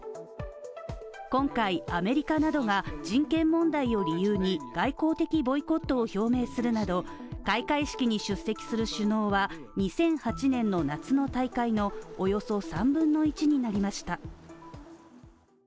今回、アメリカなどが人権問題を理由に外交的ボイコットを表明するなど開会式に出席する首脳は２００８年の夏の大会のおよそ３分の１になりました。